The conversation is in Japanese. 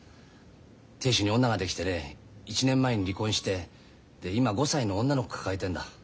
亭主に女ができてね１年前に離婚してで今５歳の女の子抱えてんだ。